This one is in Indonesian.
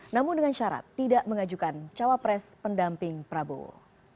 namun dengan syarat tidak mengajukan cawapres pendamping prabowo